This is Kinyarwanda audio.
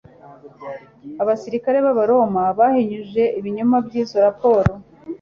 abasirikari b'abaroma bahinyuje ibinyoma by'izo raporo.